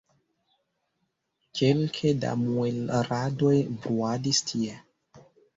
Kelke da muelradoj bruadis tie.